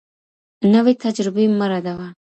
نوي تجربې مه ردوه.